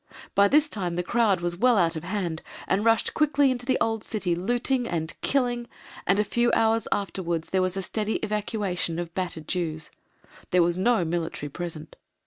By this time the crowd was well out of hand and rushed quickly into the old City looting and killing, and a few hours afterwards there was a steady evacuation of battered Jews. There was no military present.